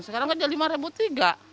sekarang kan dia lima ribu tiga